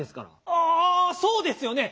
ああそうですよね。